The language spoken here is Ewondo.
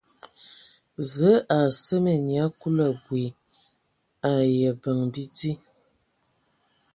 Zəə a seme nyia Kulu abui ai abəŋ bidi.